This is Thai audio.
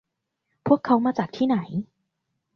พวกเค้ามาจากที่ไหน